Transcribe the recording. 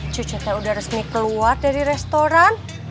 cucunya udah resmi keluar dari restoran